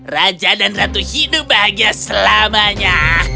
raja dan ratu hidup bahagia selamanya